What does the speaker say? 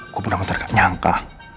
gua bener bener gak nyangka